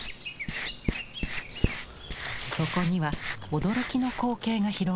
そこには驚きの光景が広がっている。